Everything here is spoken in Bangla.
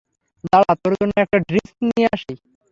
দাঁড়া, তোর জন্য একটা ড্রিংক্স নিয়ে আসি!